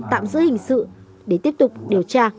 tạm giữ hình sự để tiếp tục điều tra